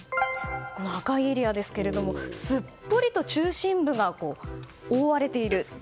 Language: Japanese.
赤いエリアですがすっぽりと中心部が覆われている。